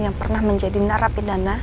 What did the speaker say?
yang pernah menjadi narapidana